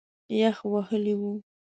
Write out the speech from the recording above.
یخ وهلی و.